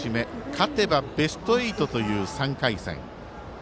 勝てばベスト８という３回戦。